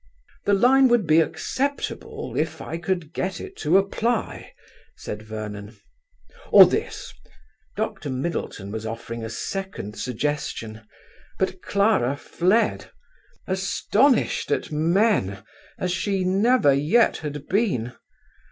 "The line would be acceptable if I could get it to apply," said Vernon. "Or this ..." Dr. Middleton was offering a second suggestion, but Clara fled, astonished at men as she never yet had been.